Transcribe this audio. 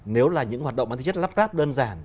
nếu là những hoạt động bán thí chất lắp ráp đơn giản